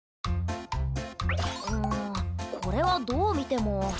うんこれはどうみても。